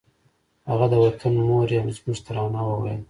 هغه د وطنه مور یې زموږ ترانه وویله